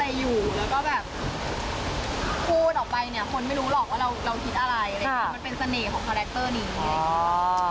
มันเป็นเสน่ห์ของคาแรคเตอร์นี้